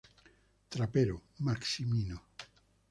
Trapero, Maximino.